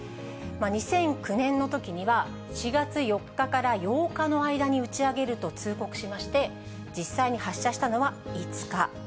２００９年のときには、４月４日から８日の間に打ち上げると通告しまして、実際に発射したのは５日。